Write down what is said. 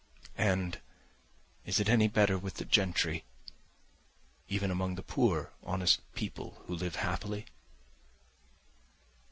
"And is it any better with the gentry? Even among the poor, honest people who live happily?"